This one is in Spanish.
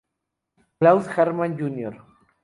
Claude Jarman, Jr.